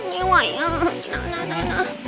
ไม่ไหวอ่ะน่า